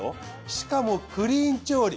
しかもクリーン調理。